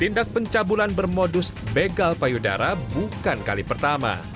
tindak pencabulan bermodus begal payudara bukan kali pertama